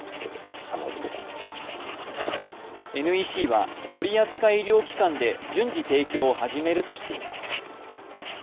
ＮＥＣは取り扱い医療機関で順次提供を始めるとしています。